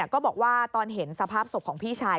ก็บอกว่าตอนเห็นสภาพศพของพี่ชาย